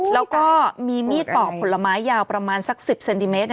แล้วก็มีมีดปอกผลไม้ยาวประมาณสัก๑๐เซนติเมตร